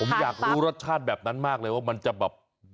ผมอยากรู้รสชาติแบบนั้นมากเลยว่ามันจะแบบ